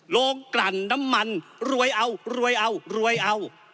ลงกลั่นน้ำมันรวยเอารวยเอารวยเอา